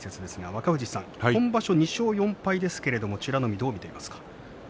若藤さん、今場所２勝４敗ですが美ノ海どう見ていますか？